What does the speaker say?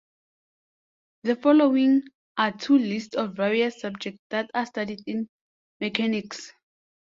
The following are two lists of various subjects that are studied in mechanics.